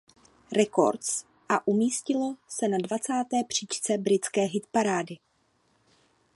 Records a umístilo se na dvacáté příčce britské hitparády.